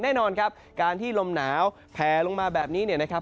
แน่นอนครับการที่ลมหนาวแผลลงมาแบบนี้เนี่ยนะครับ